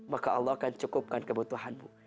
maka allah akan cukupkan kebutuhanmu